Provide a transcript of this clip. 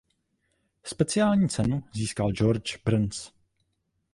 Speciální cenu získal George Burns.